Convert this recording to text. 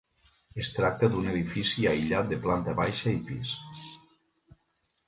Es tracta d'un edifici aïllat de planta baixa i pis.